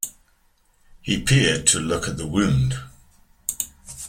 He peered to look at the wound.